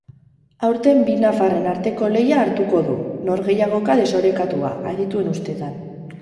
Aurten bi nafarren arteko lehia hartuko du, norgehiagoka desorekatua, adituen ustean.